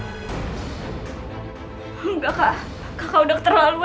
enggak kak kakak udah terlalu